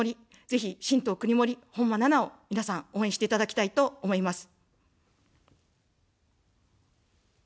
ぜひ新党くにもり、本間奈々を、皆さん、応援していただきたいと思います。